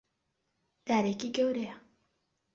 دارێکی گەورەیە.